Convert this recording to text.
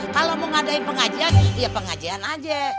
kalau mau ngadain pengajian ya pengajian aja